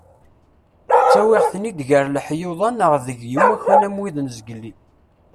Ttawiɣ-ten-id gar leḥyuḍ-a neɣ deg yimukan am wid n yizgelli.